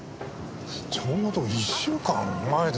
ちょうど１週間前ですよね？